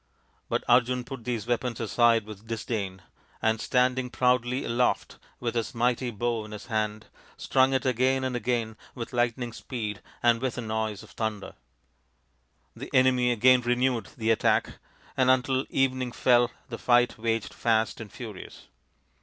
But Arjun put these weapons aside with disdain, and stand ing proudly aloft with his mighty bow in his hand, strung it again and again with lightning speed and with a noise of thunder. The enemy again re newed the attack, and until evening fell the fight waged fast and furious.